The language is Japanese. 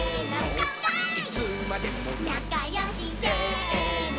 「なかよし」「せーの」